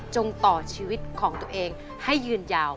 ต่อชีวิตของตัวเองให้ยืนยาว